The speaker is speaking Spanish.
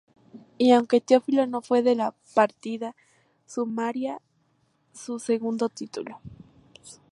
Y aunque Teófilo no fue de la partida, sumaría su segundo título.